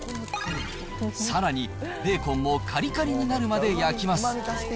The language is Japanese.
さらにベーコンもかりかりになるまで焼きます。